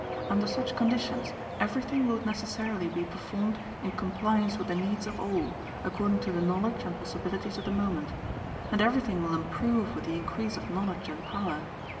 Under such conditions, everything will necessarily be performed in compliance with the needs of all, according to the knowledge and possibilities of the moment. And everything will improve with the increase of knowledge and power.